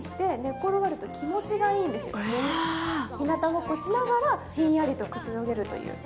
ひなたぼっこしながら、ひんやりとくつろげるという。